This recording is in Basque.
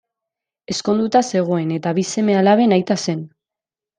Ezkonduta zegoen eta bi seme-alaben aita zen.